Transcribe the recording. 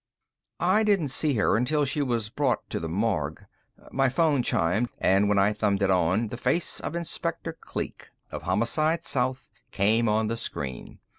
I didn't see her until she was brought to the morgue. My phone chimed, and when I thumbed it on, the face of Inspector Kleek, of Homicide South, came on the screen.